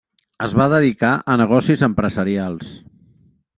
Es va dedicar a negocis empresarials.